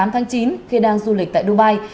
một mươi tám tháng chín khi đang du lịch tại dubai